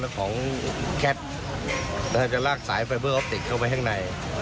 ของแคทจะลากสายไฟเบอร์ออฟติกเข้าไปข้างใน